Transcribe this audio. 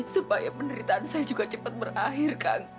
supaya penderitaan saya juga cepat berakhir kan